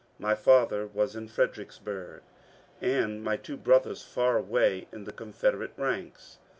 My father was in Fredericksburg, and my two brothers far away in the Confederate ranks.